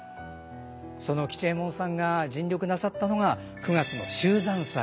その吉右衛門さんが尽力なさったのが９月の秀山祭。